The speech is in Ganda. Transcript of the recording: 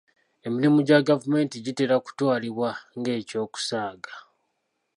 Emirimu gya gavumenti gitera kutwalibwa ng'eky'okusaaga.